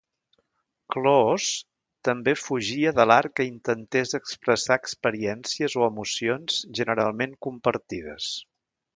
Kloos també fugia de l'art que intentés expressar experiències o emocions generalment compartides.